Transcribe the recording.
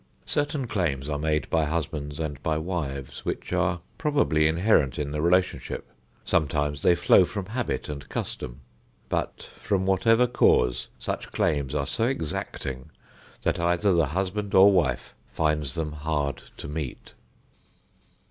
Certain claims are made by husbands and by wives, which are probably inherent in the relationship; sometimes they flow from habit and custom, but, from whatever cause, such claims are so exacting that either the husband or wife finds them hard to meet.